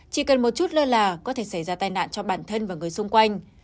chỉ cần một chút lơ là có thể xảy ra tai nạn cho bản thân và người xung quanh